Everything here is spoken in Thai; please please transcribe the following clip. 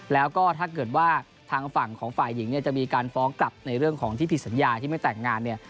แล้วก็ถ้าเกิดว่าทางฝั่งของฝ่ายหญิงเนี่ยจะมีการฟ้องกลับในเรื่องของที่ผิดสัญญาที่ไม่แต่งงานเนี่ย